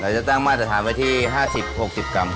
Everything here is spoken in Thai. จะตั้งมาตรฐานไว้ที่๕๐๖๐กรัม